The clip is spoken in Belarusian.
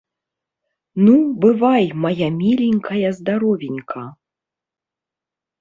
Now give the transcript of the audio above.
Ну, бывай, мая міленькая здаровенька.